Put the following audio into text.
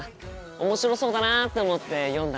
面白そうだなって思って読んだ